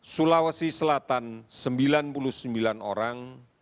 sulawesi selatan sembilan puluh sembilan orang